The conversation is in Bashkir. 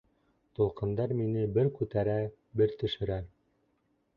Тулҡындар мине бер күтәрә, бер төшөрә.